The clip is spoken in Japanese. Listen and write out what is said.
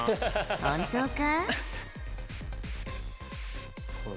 本当か？